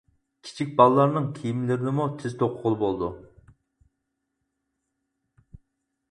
كىچىك بالىلارنىڭ كىيىملىرىنىمۇ تېز توقۇغىلى بولىدۇ.